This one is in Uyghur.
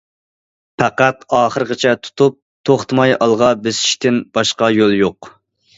پەقەت ئاخىرغىچە تۇتۇپ، توختىماي ئالغا بېسىشتىن باشقا يول يوق.